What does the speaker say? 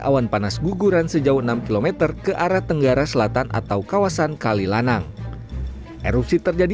awan panas guguran sejauh enam km ke arah tenggara selatan atau kawasan kalilanang erupsi terjadi